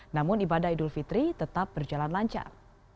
namun ibadah idul fitri tetap berjalan lancar